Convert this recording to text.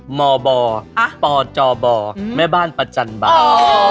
หมอบ๋อปอดจอบ๋อแม่บ้านประจันบ่า